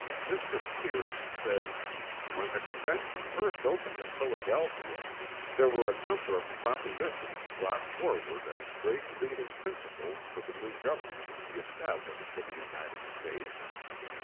_" Mr. Pierce says: "When the Convention first opened at Philadelphia, there were a number of propositions brought forward as great leading principles for the new Government to be established for the United States.